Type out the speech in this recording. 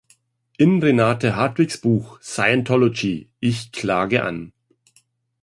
In Renate Hartwigs Buch "Scientology: Ich klage an!